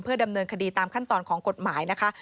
ดำเนินคดีตามขั้นตอนของกฎหมายนะคะ